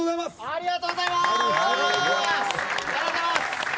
ありがとうございます！